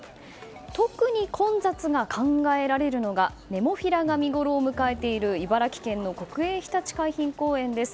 特に混雑が考えられるのがネモフィラが見ごろを迎えている茨城県の国営ひたち海浜公園です。